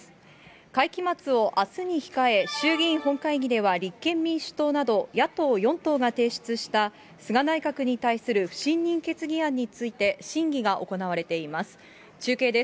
会期末をあすに控え、衆議院本会議では立憲民主党など、野党４党が提出した菅内閣に対する不信任決議案について、審議が行われています。